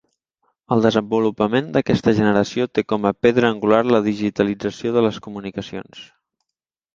El desenvolupament d'aquesta generació té com a pedra angular la digitalització de les comunicacions.